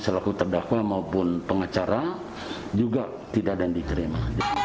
selaku terdakwa maupun pengacara juga tidak dan diterima